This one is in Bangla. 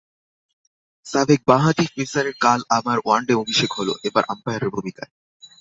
সাবেক বাঁহাতি পেসারের কাল আবার ওয়ানডে অভিষেক হলো, এবার আম্পায়ারের ভূমিকায়।